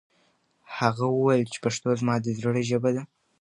هغه وویل چې پښتو زما د زړه ژبه ده.